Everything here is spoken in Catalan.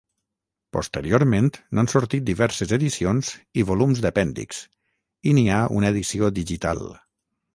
Posteriorment n'han sortit diverses edicions i volums d'apèndix, i n'hi ha una edició digital.